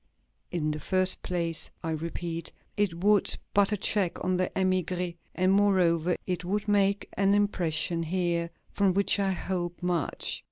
In the first place, I repeat, it would put a check on the émigrés, and, moreover, it would make an impression here from which I hope much.